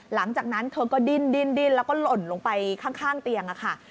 หลังจากนั้นเธอก็ดิ้นแล้วก็หล่นลงไปข้างเตียงค่ะ